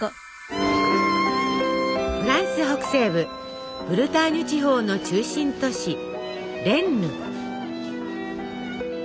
フランス北西部ブルターニュ地方の中心都市レンヌ。